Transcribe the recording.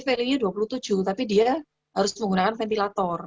ada orang yang misalkan city value nya dua puluh tujuh tapi dia harus menggunakan ventilator